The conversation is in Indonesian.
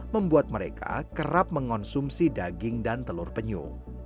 membuat mereka kerap mengonsumsi daging dan telur penyu